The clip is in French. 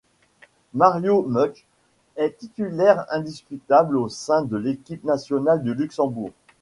Mario Mutsch est titulaire indiscutable au sein de l’équipe nationale du Luxembourg.